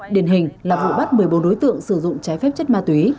điển hình là vụ bắt một mươi bốn đối tượng sử dụng trái phép chất ma túy